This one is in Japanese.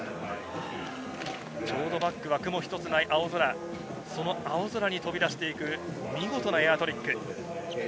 ちょうどバックは雲一つない青空、飛び出していく、見事なエアトリック。